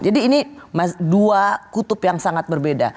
jadi ini dua kutub yang sangat berbeda